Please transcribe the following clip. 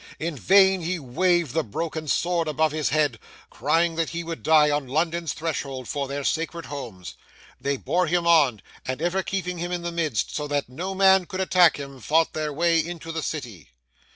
In vain he waved the broken sword above his head, crying that he would die on London's threshold for their sacred homes. They bore him on, and ever keeping him in the midst, so that no man could attack him, fought their way into the city.